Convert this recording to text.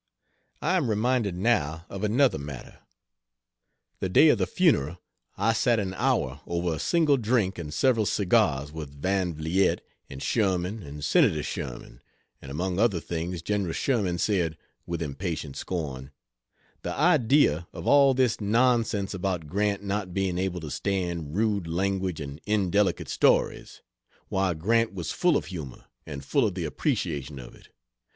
....................... I am reminded, now, of another matter. The day of the funeral I sat an hour over a single drink and several cigars with Van Vliet and Sherman and Senator Sherman; and among other things Gen. Sherman said, with impatient scorn: "The idea of all this nonsense about Grant not being able to stand rude language and indelicate stories! Why Grant was full of humor, and full of the appreciation of it.